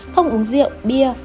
không uống rượu bia